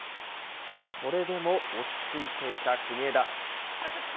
それでも落ち着いていた国枝。